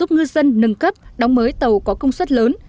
nâng cấp đóng mới tàu có công suất lớn